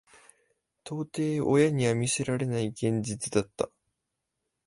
到底親には見せられない現実だった。